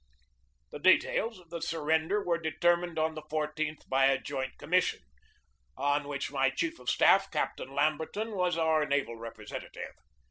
The details of the surrender 1 were determined on the I4th by a joint commission, on which my chief of staff, Captain Lamberton, was our naval repre sentative.